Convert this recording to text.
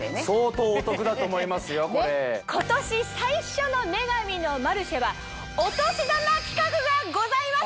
今年最初の『女神のマルシェ』は。がございます！